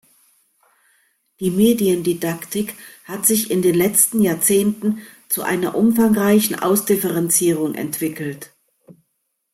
Die Mediendidaktik hat sich in den letzten Jahrzehnten zu einer umfangreichen Ausdifferenzierung entwickelt.